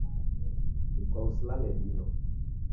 Ikwau silale dilo.